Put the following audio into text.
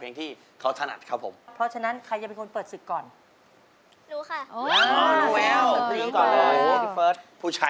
ไม่มีค่ะเป็นลูกคนเดียวค่ะ